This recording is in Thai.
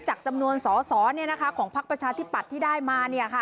จากจำนวนสอของภักดิ์ประชาธิบัติที่ได้มา